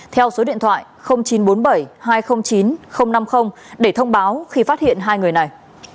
theo số điện thoại chín trăm bốn mươi bảy hai trăm linh chín năm mươi để thông báo khi phát hiện hai người này